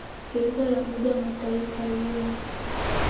shirika la umoja wa kimataifa un